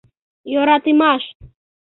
Йöратымаш